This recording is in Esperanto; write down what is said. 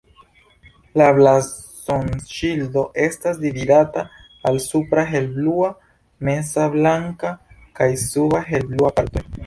La blazonŝildo estas dividata al supra helblua, meza blanka kaj suba helblua partoj.